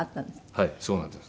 はいそうなんです。